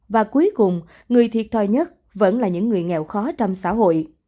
và cuối cùng người thiệt thòi nhất vẫn là những người nghèo khó trong xã hội